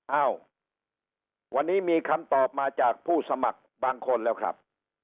เอ้าวันนี้มีคำตอบมาจากผู้สมัครบางคนแล้วครับ